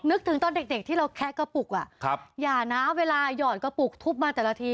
นึกถึงตอนเด็กที่เราแคะกระปุกอ่ะอย่านะเวลาหยอดกระปุกทุบมาแต่ละที